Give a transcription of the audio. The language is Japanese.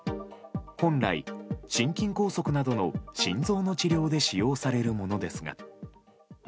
本来心筋梗塞などの心臓の治療で使用されるものですが。